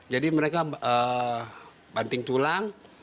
jadi mereka banting tulang